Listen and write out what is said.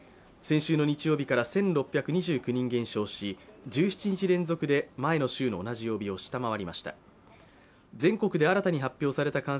先週の日曜日から１６２９人減少し、１７日連続で前の週の同じ曜日を下回りました。